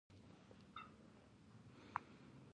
هر انسان د جدا جينز ، جسم ، ذهن او نفسياتو سره پېدا کيږي